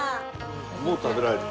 もう食べられる？